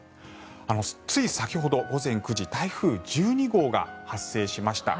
つい先ほど、午前９時台風１２号が発生しました。